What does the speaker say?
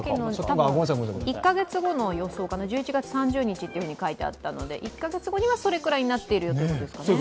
１カ月後の予想かな、１１月３０日と書いてあったので１カ月後にはそのくらいになっているよということですね。